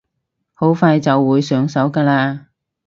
好快就會上手㗎喇